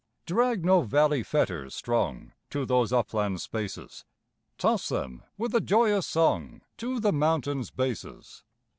Drag no valley fetters strong To those upland spaces, Toss them with a joyous song To the mountains' bases!